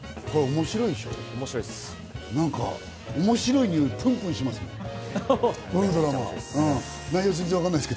面白いにおいがプンプンします。